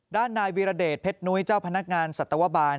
ด้านนายวีรเดชเพชรนุ้ยเจ้าพนักงานสัตวบาล